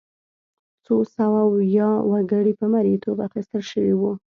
څو سوه ویا وګړي په مریتوب اخیستل شوي وو.